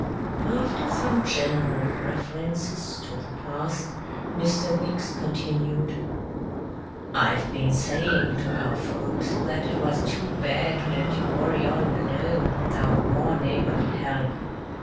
After some general references to the past, Mr. Weeks continued, "I've been saying to our folks that it was too bad to let you worry on alone without more neighborly help.